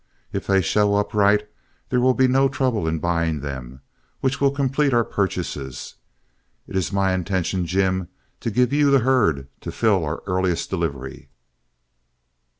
If they show up right, there will be no trouble in buying them, which will complete our purchases. It is my intention, Jim, to give you the herd to fill our earliest delivery.